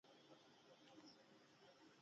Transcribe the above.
آیا د ایران اقتصاد مخ په وده نه دی؟